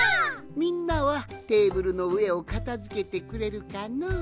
みんなはテーブルのうえをかたづけてくれるかのう？